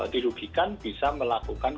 dirugikan bisa melakukan